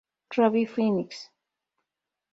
Robby Phoenix.